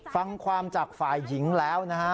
ฟังความจากฝ่ายหญิงแล้วนะฮะ